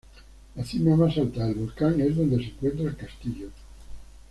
La cima más alta del volcán, es donde se encuentra el castillo.